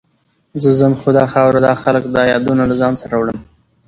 زه ځم، خو دا خاوره، دا خلک، دا یادونه له ځان سره وړم.